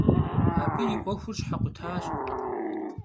Abı yi 'Uexur şhekhutaş.